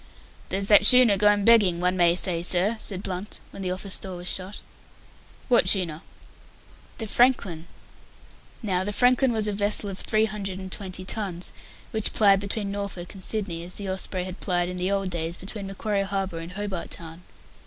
"There's that schooner going begging, one may say, sir," said Blunt, when the office door was shut. "What schooner?" "The Franklin." Now the Franklin was a vessel of three hundred and twenty tons which plied between Norfolk Island and Sydney, as the Osprey had plied in the old days between Macquarie Harbour and Hobart Town.